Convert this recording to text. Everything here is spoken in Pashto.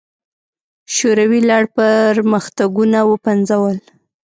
شوروي لړ پرمختګونه وپنځول.